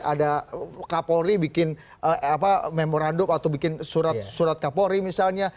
ada kapolri bikin memorandum atau bikin surat kapolri misalnya